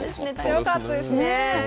よかったですね。